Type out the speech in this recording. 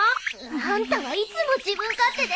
あんたはいつも自分勝手で。